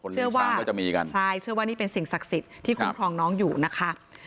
เชื่อว่านี่เป็นสิ่งศักดิ์สิทธิ์ที่คุณครองน้องอยู่นะคะ